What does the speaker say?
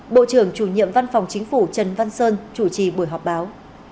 bộ trưởng chủ nhiệm văn phòng chính phủ trần văn sơn chủ trì buổi họp báo